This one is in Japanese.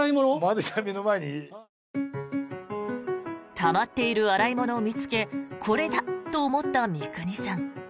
たまっている洗い物を見つけこれだと思った三國さん。